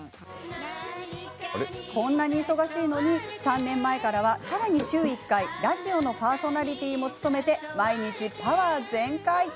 こんなに忙しいのに３年前からは、さらに週１回ラジオのパーソナリティーも務めて毎日パワー全開。